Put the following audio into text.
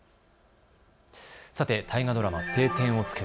さて大河ドラマ、青天を衝け。